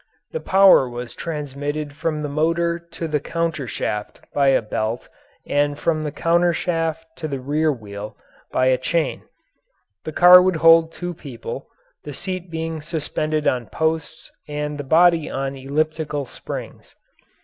The power was transmitted from the motor to the countershaft by a belt and from the countershaft to the rear wheel by a chain. The car would hold two people, the seat being suspended on posts and the body on elliptical springs.